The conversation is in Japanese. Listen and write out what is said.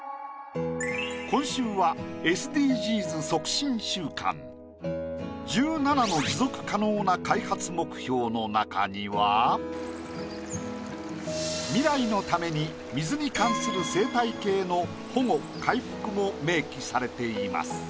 今週は１７の持続可能な開発目標の中には未来のために水に関する生態系の保護回復も明記されています。